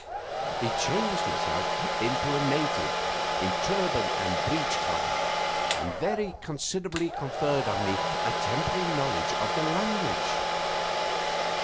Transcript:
He changed himself into a native in turban and breech cloth, and very considerately conferred on me a temporary knowledge of the language.